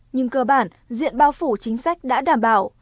nhưng cơ bản diện bao phủ chính sách đã đảm bảo